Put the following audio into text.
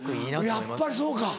やっぱりそうか。